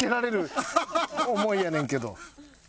思いやねんけど。